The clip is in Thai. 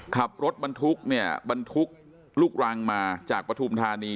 ขับรถบรรทุกเนี่ยบรรทุกลูกรังมาจากปฐุมธานี